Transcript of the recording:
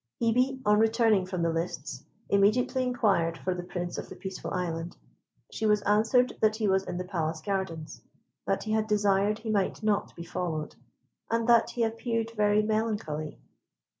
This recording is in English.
Hebe, on returning from the lists, immediately inquired for the Prince of the Peaceful Island. She was answered that he was in the palace gardens; that he had desired he might not be followed, and that he appeared very melancholy.